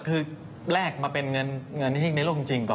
คือแรกมาเป็นเงินไม่จริงต่อ